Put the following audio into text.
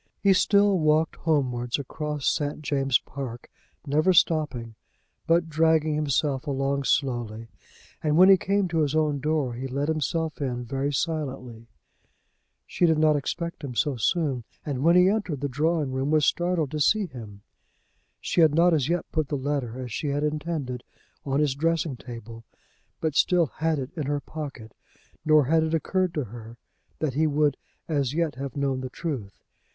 He still walked homewards across St. James's Park, never stopping, but dragging himself along slowly, and when he came to his own door he let himself in very silently. She did not expect him so soon, and when he entered the drawing room was startled to see him. She had not as yet put the letter, as she had intended, on his dressing table, but still had it in her pocket; nor had it occurred to her that he would as yet have known the truth.